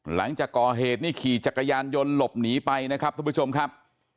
หลังจากก่อเหตุนี่ขี่จักรยานยนต์หลบหนีไปนะครับทุกผู้ชมครับ